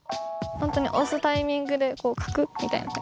本当に押すタイミングでカクッみたいな。